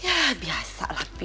ya biasa lah